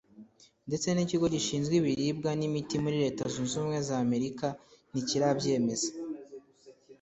ndetse n’ ikigo gishinzwe ibiribwa n’ imiti muri Leta Zunze Ubumwe za Amerika ntikirabyemeza